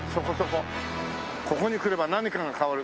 「ここに来れば何かが変わる！」。